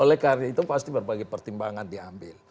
oleh karena itu pasti berbagai pertimbangan diambil